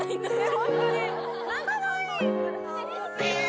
本当に。